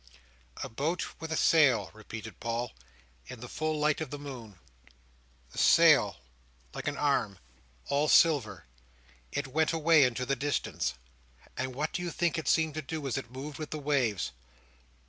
"A boat with a sail," repeated Paul, "in the full light of the moon. The sail like an arm, all silver. It went away into the distance, and what do you think it seemed to do as it moved with the waves?"